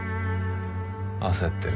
焦っている。